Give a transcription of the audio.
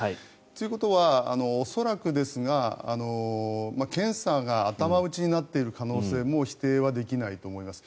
ということは恐らくですが検査が頭打ちになっている可能性も否定はできないと思います。